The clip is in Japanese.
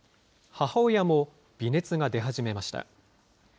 母親も微熱が出始めました。